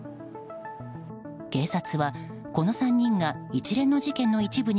警察は、この３人が一連の事件の一部に